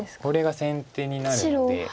これが先手になるんで。